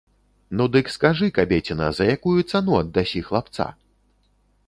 Ну, дык скажы, кабеціна, за якую цану аддасі хлапца?